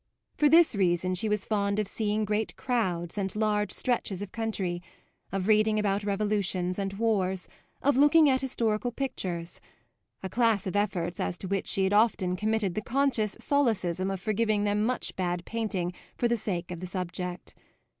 For this reason she was fond of seeing great crowds and large stretches of country, of reading about revolutions and wars, of looking at historical pictures a class of efforts as to which she had often committed the conscious solecism of forgiving them much bad painting for the sake of the subject.